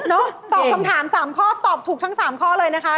ตอบคำถาม๓ข้อตอบถูกทั้ง๓ข้อเลยนะคะ